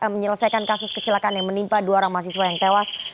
menyelesaikan kasus kecelakaan yang menimpa dua orang mahasiswa yang tewas